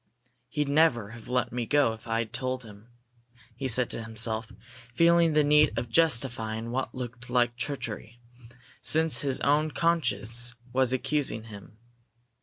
"He'd never have let me go if I had told him," he said to himself, feeling the need of justifying what looked like treachery, since his own conscience was accusing him.